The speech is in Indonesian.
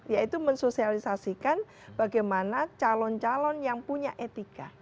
yaitu mensosialisasikan bagaimana calon calon yang punya etika